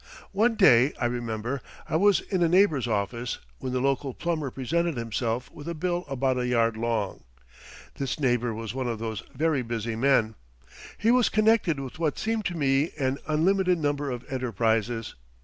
One day, I remember, I was in a neighbour's office, when the local plumber presented himself with a bill about a yard long. This neighbour was one of those very busy men. He was connected with what seemed to me an unlimited number of enterprises.